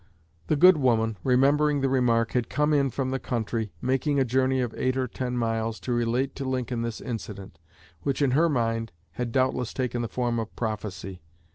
The good woman, remembering the remark, had come in from the country, making a journey of eight or ten miles, to relate to Lincoln this incident, which in her mind had doubtless taken the form of prophecy.